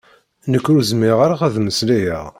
Nekk ur zmireɣ ara ad mmeslayeɣ.